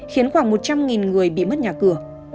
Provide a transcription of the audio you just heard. khiến khoảng một trăm linh người bị mất nhà cửa